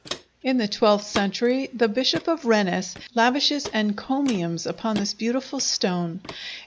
In the twelfth century, the Bishop of Rennes lavishes encomiums upon this beautiful stone.